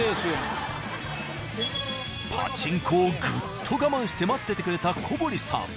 パチンコをぐっと我慢して待っててくれた小堀さん。